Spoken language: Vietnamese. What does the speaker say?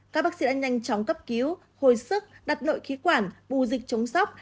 các bác sĩ đã nhanh chóng cấp cứu hồi sức đặt nội khí quản bù dịch chống sốc